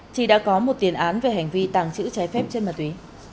chị đã có một tiền án về hành vi tàng trữ trái phép trên ma túy